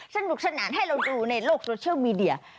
สนุกสนานให้เราดูในโลกโซเชียลมีเดีย